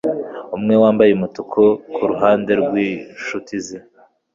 umwe wambaye umutuku kuruhande rwinshuti ze